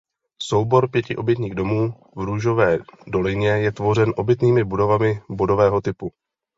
Soubor pěti obytných domů v Růžové dolině je tvořen obytnými budovami bodového typu.